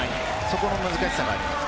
この難しさがあります。